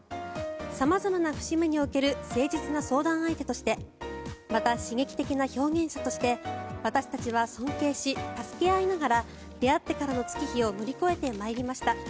様々な節目における誠実な相談相手としてまた、刺激的な表現者として私たちは尊敬し助け合いながら出会ってからの月日を乗り越えてまいりました。